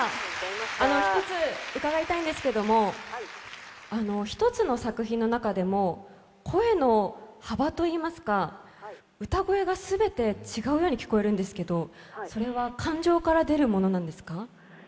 １つ、伺いたいんですけど、１つの作品の中でも声の幅といいますか、歌声が全て違うように聞こえるんですがそれは感情から出るものなんですか？